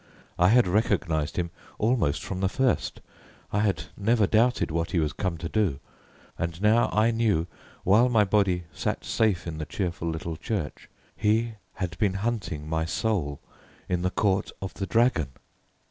I had recognized him almost from the first; I had never doubted what he was come to do; and now I knew while my body sat safe in the cheerful little church, he had been hunting my soul in the Court of the Dragon.